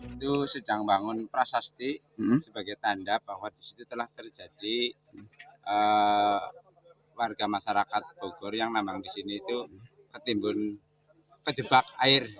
itu sedang bangun prasasti sebagai tanda bahwa disitu telah terjadi warga masyarakat bogor yang memang di sini itu ketimbun kejebak air